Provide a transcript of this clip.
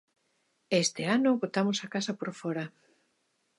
E este ano botamos a casa por fóra.